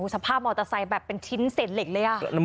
สภาพมอเตอร์ไซค์แบบเป็นชิ้นเศษเหล็กเลย